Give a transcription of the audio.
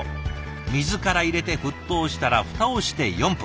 水から入れて沸騰したら蓋をして４分。